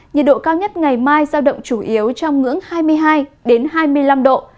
nhiệt độ cao nhất ngày mai giao động chủ yếu trong ngưỡng hai mươi hai hai mươi năm độ